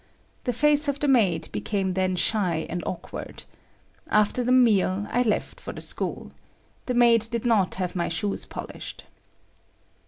The face of the maid became then shy and awkward. After the meal, I left for the school. The maid did not have my shoes polished.